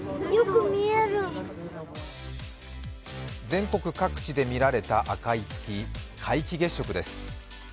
全国各地で見られた赤い月、皆既月食です。